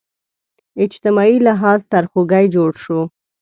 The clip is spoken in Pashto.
اجتماعي لحاظ سرخوږی جوړ شو